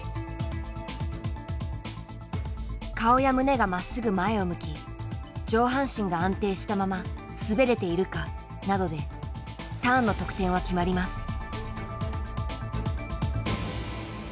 顔や胸がまっすぐ前を向き上半身が安定したまま滑れているかなどでターンの得点は決まります。